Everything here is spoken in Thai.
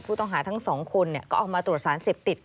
ผู้ต้องหาทั้งสองคนก็เอามาตรวจสารเสพติด